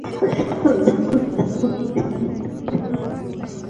د هر څه هېر کړه او وتښته.